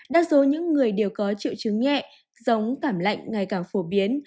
đa số những người đều có triệu chứng nhẹ giống cảm lạnh ngày càng phổ biến